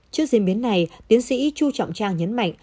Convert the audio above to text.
trước diễn biến này tiến sĩ chu trọng trang nhấn mạnh